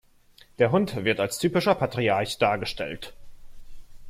Der Hund wird als typischer Patriarch dargestellt.